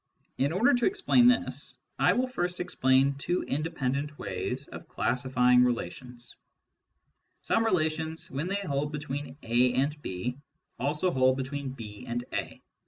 In order to c this, I will first explain two independent ways of cl ing relations. Some relations, when they hold between A and ] hold between B and A.